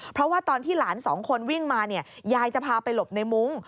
เพราะว่าตอนที่หลานสองคนวิ่งมาเนี่ยยายจะพาไปหลบในมุ้ง